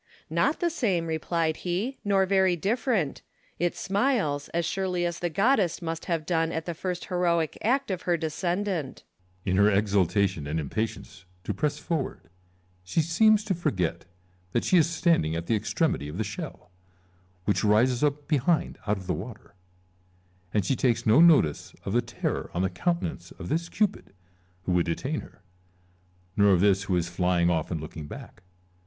" Not the same," replied he, " nor very different : it smiles, as surely the goddess must have done at the first heroic act of her descendant." Ccesar. In her exultation and impatience to press forward she seems to forget that she is standing at the extremity of the shell, which rises up behind out of the water ; and she takes no notice of the terror on the counten ance of this Cupid who would detain her, nor of this who is flying ofF and looking back.